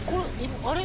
あれ？